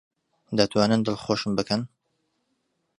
دەتوانن دڵخۆشم بکەن؟